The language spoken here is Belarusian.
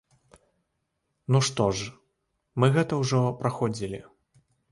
Ну што ж, мы гэта ўжо праходзілі.